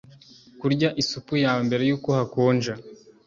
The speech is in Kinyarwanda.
kurya isupu yawe mbere yuko hakonja